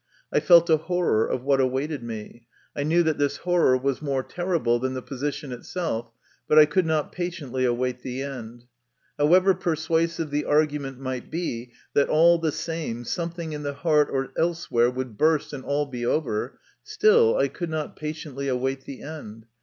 I felt a horror of what awaited me ; I knew that this horror was more terrible than the position itself, but I could not patiently await the end. However persuasive the argument might be that all the same something in the heart or elsewhere would burst and all be over, still I could not patiently await the end.